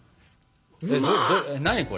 何これ？